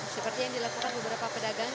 seperti yang dilakukan beberapa pedagang